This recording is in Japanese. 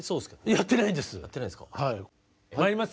やってないんです。